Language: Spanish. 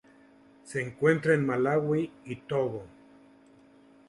Se encuentra en Malaui y Togo.